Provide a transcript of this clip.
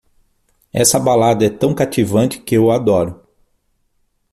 Essa balada é tão cativante que eu adoro!